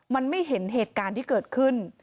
มันไม่เห็นเหตุการณ์ที่เกิดขึ้น